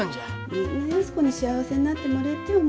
みんな安子に幸せになってもれえてえ思